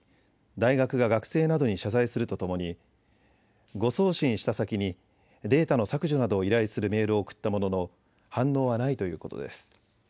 大学が学生などに謝罪するとともに誤送信した先にデータの削除などを依頼するメールを送ったものの反応はないということです。